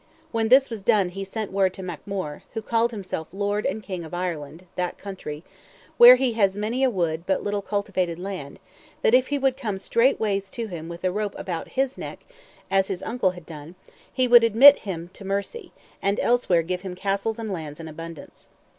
When this was done he sent word to MacMore, who called himself Lord and King of Ireland, (that country,) where he has many a wood but little cultivated land, that if he would come straightways to him with a rope about his neck, as his uncle had done, he would admit him to mercy, and elsewhere give him castles and lands in abundance."